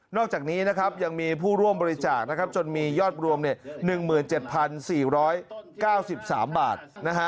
อกจากนี้นะครับยังมีผู้ร่วมบริจาคจนมียอดรวม๑๗๔๙๓บาท